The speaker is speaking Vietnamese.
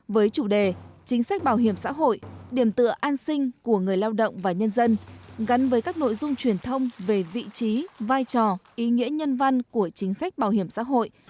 với chủ đề chính sách bảo hiểm xã hội điểm tựa an sinh của người lao động và nhân dân gắn với các nội dung truyền thông về vị trí vai trò ý nghĩa nhân văn của chính sách bảo hiểm xã hội